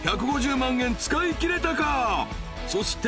［そして。